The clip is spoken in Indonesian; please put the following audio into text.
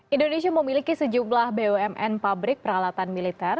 indonesia memiliki sejumlah bumn pabrik peralatan militer